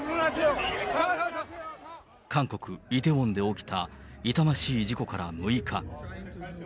韓国・イテウォンで起きた痛ましい事故から６日。